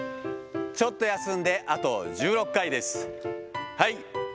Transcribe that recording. ちょっと休んで、あと１６回です。